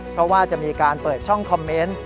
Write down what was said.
เพราะว่าจะมีการเปิดช่องคอมเมนต์